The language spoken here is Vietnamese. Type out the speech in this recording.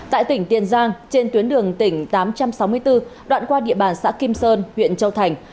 tại tỉnh tiền giang trên tuyến đường tỉnh tám trăm sáu mươi bốn đoạn qua địa bàn xã kim sơn huyện châu thành